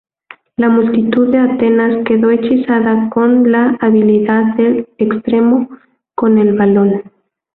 La multitud de Atenas quedó hechizada con la habilidad del extremo con el balón.